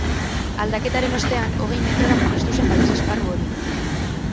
Aldaketaren ostean, hogei metrora murriztu zen babes esparru hori.